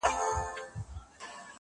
دا به ولاړ وي د زمان به توپانونه راځي-